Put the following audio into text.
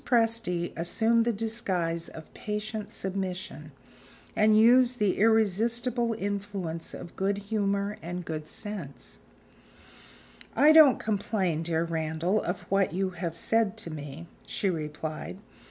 Presty assumed the disguise of patient submission, and used the irresistible influence of good humor and good sense. "I don't complain, dear Randal, of what you have said to me," she replied.